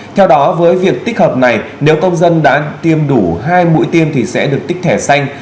theo đó với việc tích hợp này nếu công dân đã tiêm đủ hai mũi tiêm thì sẽ được tích thẻ xanh